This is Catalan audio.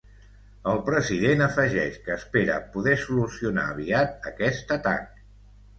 El president afegeix que espera poder solucionar aviat aquest atac.